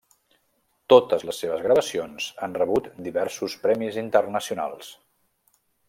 Totes les seves gravacions han rebut diversos premis internacionals.